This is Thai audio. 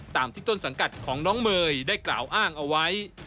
ตามที่ต้นสังกัดของน้องเมย์ได้กล่าวอ้างเอาไว้